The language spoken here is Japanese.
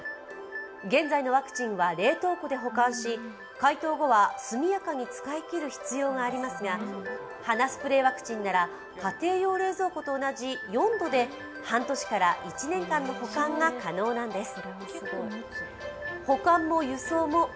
現在のワクチンは冷凍庫で保管し解凍後は速やかに使いきる必要がありますが鼻スプレーワクチンなら家庭用冷蔵庫と同じ４度で半年から１年間の保管が可能なんです。